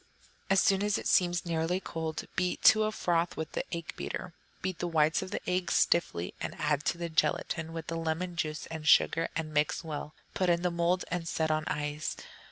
As soon as it seems nearly cold, beat to a froth with the egg beater. Beat the whites of the eggs stiffly, and add to the gelatine, with the lemon juice and sugar, and mix well. Put in a mould and set on ice.